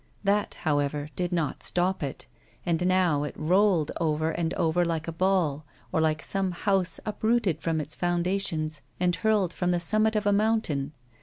That, how ever, did not stop it, and now it rolled over and over like a ball, or like some house uprooted from its foundations and hurled from the summit of a mountain.